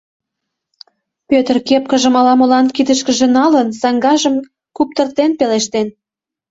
Пӧтыр, кепкыжым ала-молан кидышкыже налын, саҥгажым куптыртен пелештен: